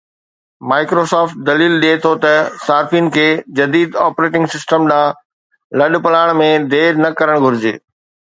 Microsoft دليل ڏئي ٿو ته صارفين کي جديد آپريٽنگ سسٽم ڏانهن لڏپلاڻ ۾ دير نه ڪرڻ گهرجي